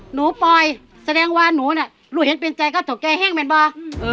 หนูปลอยแสดงว่าหนูน่ะรู้เห็นเป็นใจก็เถาแกรเห็งไหมบอร์